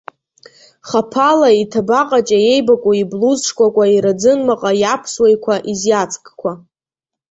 Хаԥала иҭабаҟаҷа еибакуа иблуз шкәакәа, ираӡын маҟа, иаԥсуа еиқәа, изиацкқәа.